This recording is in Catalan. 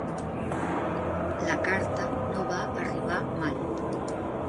La carta no va arribar mai.